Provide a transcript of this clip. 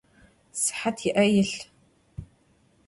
Sıhat ı'e yilh.